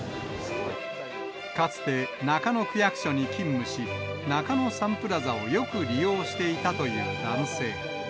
かつて、中野区役所に勤務し、中野サンプラザをよく利用していたという男性。